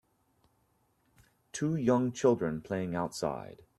Two young children playing outside.